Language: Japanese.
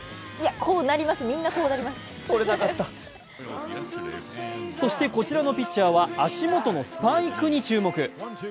こうなります、みんなこうなりますそしてこちらのピッチャーは足元のスパイクに注目。